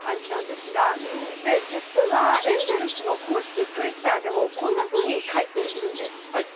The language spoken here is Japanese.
実は、エンゼルスの公式ツイッターでもこんなふうに書いてあるんです。